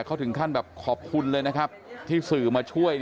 เขาถึงขั้นแบบขอบคุณเลยนะครับที่สื่อมาช่วย